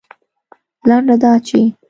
لنډه دا چې